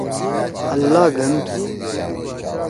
اللّہ گھن تُھو۔